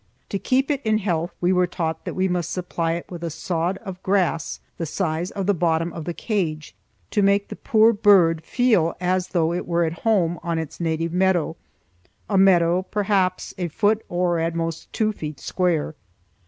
To keep it in health we were taught that we must supply it with a sod of grass the size of the bottom of the cage, to make the poor bird feel as though it were at home on its native meadow,—a meadow perhaps a foot or at most two feet square.